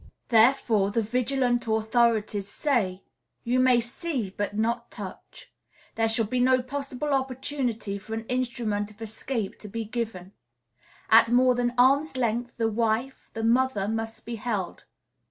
Therefore the vigilant authority says, "You may see, but not touch; there shall be no possible opportunity for an instrument of escape to be given; at more than arm's length the wife, the mother must be held."